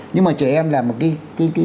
nhưng mà trẻ em là một cái